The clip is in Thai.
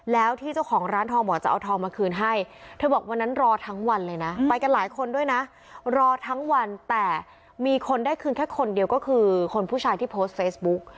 แล้วที่เจ้าของร้านทองบอกจะเอาทองมาคืนให้เธอบอกวันนั้นรอทั้งวันเลยนะไปกันหลายคนด้วยนะรอทั้งวันแต่มีคนได้คืนแค่คนเดียวก็คือคนผู้ชายที่โพสต์เฟซบุ๊ก